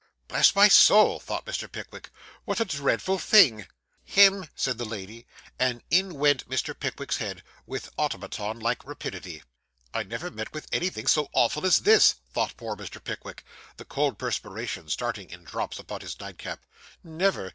'Bless my soul!' thought Mr. Pickwick, 'what a dreadful thing!' 'Hem!' said the lady; and in went Mr. Pickwick's head with automaton like rapidity. 'I never met with anything so awful as this,' thought poor Mr. Pickwick, the cold perspiration starting in drops upon his nightcap. 'Never.